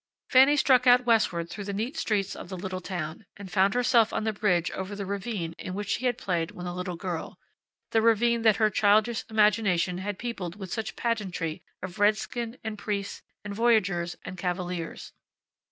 Fanny struck out westward through the neat streets of the little town, and found herself on the bridge over the ravine in which she had played when a little girl the ravine that her childish imagination had peopled with such pageantry of redskin, and priests, and voyageurs, and cavaliers.